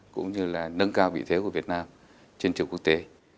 cũng như là nâng cao vị thế của việt nam trên trường quốc tế